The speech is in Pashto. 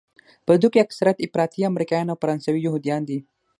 په دوی کې اکثریت افراطي امریکایان او فرانسوي یهودیان دي.